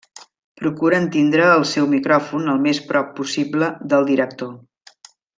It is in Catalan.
Procuren tindre el seu micròfon el més prop possible del director.